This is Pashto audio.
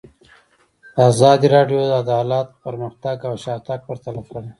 ازادي راډیو د عدالت پرمختګ او شاتګ پرتله کړی.